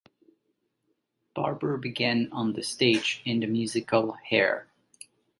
Barber began on the stage in the musical "Hair".